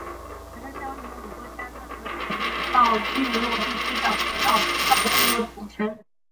白川乡与五个山的合掌造聚落地区的合掌造聚落的总称。